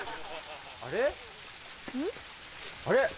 あれ？